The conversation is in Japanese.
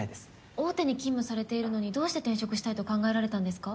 大手に勤務されているのにどうして転職したいと考えられたんですか？